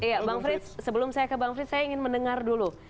iya bang frits sebelum saya ke bang frits saya ingin mendengar dulu